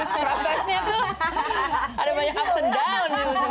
prosesnya tuh ada banyak up and down